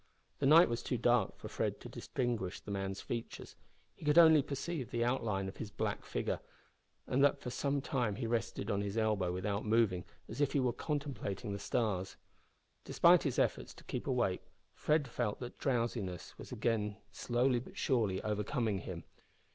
The night was too dark for Fred to distinguish the man's features. He could only perceive the outline of his black figure, and that for some time he rested on his elbow without moving, as if he were contemplating the stars. Despite his efforts to keep awake, Fred felt that drowsiness was again slowly, but surely, overcoming him.